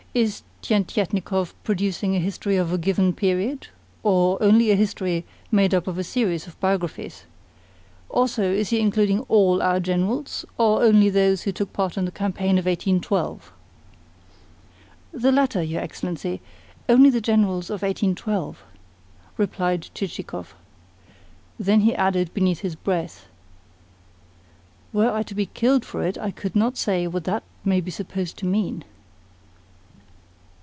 Is Tientietnikov producing a history of a given period, or only a history made up of a series of biographies? Also, is he including ALL our Generals, or only those who took part in the campaign of 1812?" "The latter, your Excellency only the Generals of 1812," replied Chichikov. Then he added beneath his breath: "Were I to be killed for it, I could not say what that may be supposed to mean."